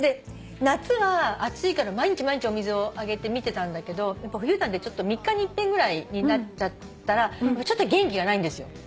夏は暑いから毎日毎日お水をあげて見てたんだけど冬なんで３日に一遍ぐらいになっちゃったらちょっと元気がないんですよ。